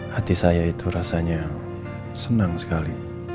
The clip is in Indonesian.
hati saya itu rasanya senang sekali